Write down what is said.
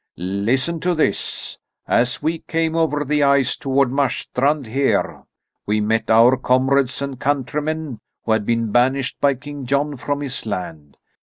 Listen to this: As we came over the ice toward Marstrand here, we met our comrades and countrymen, who had been banished by King John from his land.